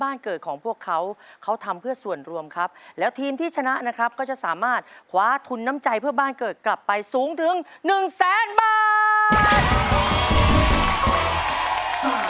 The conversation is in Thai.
บ้านเกิดของพวกเขาเขาทำเพื่อส่วนรวมครับแล้วทีมที่ชนะนะครับก็จะสามารถคว้าทุนน้ำใจเพื่อบ้านเกิดกลับไปสูงถึงหนึ่งแสนบาท